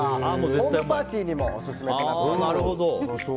ホームパーティーにもオススメとなっております。